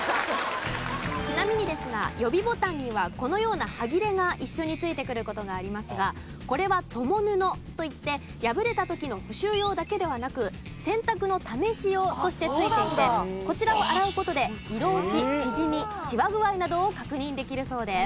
ちなみにですが予備ボタンにはこのような端切れが一緒に付いてくる事がありますがこれは共布といって破れた時の補修用だけではなく洗濯の試し用として付いていてこちらを洗う事で色落ち縮みシワ具合などを確認できるそうです。